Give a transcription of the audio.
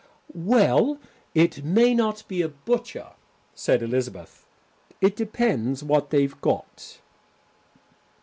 "Well, it may not be a butcher," said Elizabeth; "it depends what they've got."